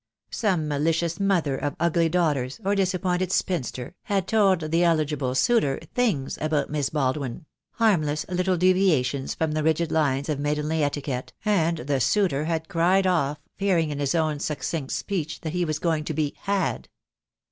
Some malicious mother of ugly daughters, or disappointed spinster, had told the eligible suitor "things" about Miss Baldwin — harmless little deviations from the rigid lines of maidenly etiquette, and the suitor had cried off, fear ing in his own succinct speech that he was going to be "had."